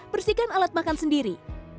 bersihkan alat makan sendiri